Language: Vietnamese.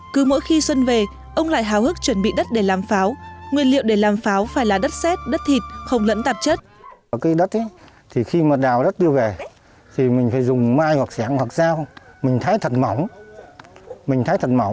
cứ mỗi khi xuân về ông lại hào hức chuẩn bị đất để làm pháo nguyên liệu để làm pháo phải là đất xét đất thịt không lẫn tạp chất